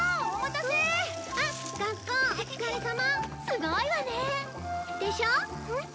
すごいわね。でしょ？